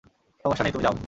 সমস্যা নেই, তুমি যাও।